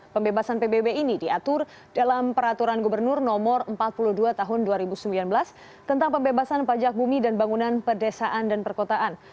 pembebasan pbb ini diatur dalam peraturan gubernur no empat puluh dua tahun dua ribu sembilan belas tentang pembebasan pajak bumi dan bangunan pedesaan dan perkotaan